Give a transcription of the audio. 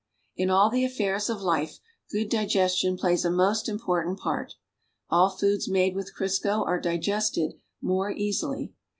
In. all the affairs oi life good digestion plays a most im])ortant part. All foods made with Crisco are digested more easily.